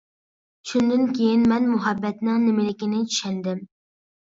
شۇندىن كىيىن مەن مۇھەببەتنىڭ نېمىلىكىنى چۈشەندىم.